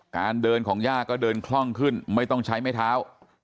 การเดินของย่าก็เดินคล่องขึ้นไม่ต้องใช้ไม้เท้า